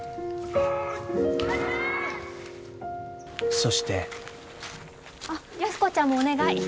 そしてあっ安子ちゃんもお願い。